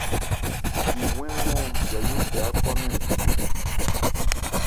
Di wɛ́n nɔ̂n Yayó tɛ ákwámɛn npi.